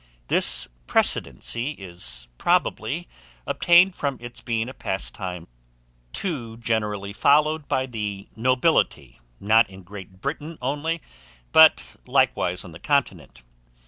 This precedency it probably obtained from its being a pastime to generally followed by the nobility, not in Great Britain only, but likewise on the continent.